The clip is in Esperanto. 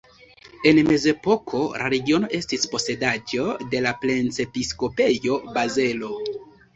En mezepoko la regiono estis posedaĵo de la Princepiskopejo Bazelo.